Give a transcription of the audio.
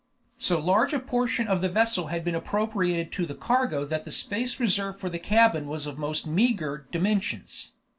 So large a portion of the vessel had been appropriated to the cargo that the space reserved for the cabin was of most meager dimensions.